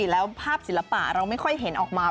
แล้วภาพศิลปะเราไม่ค่อยเห็นออกมา